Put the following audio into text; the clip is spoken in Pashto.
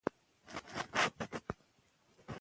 تعلیم و ذهني پراختیا ته وده ورکوي.